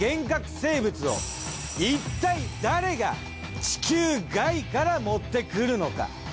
生物をいったい誰が地球外から持ってくるのか。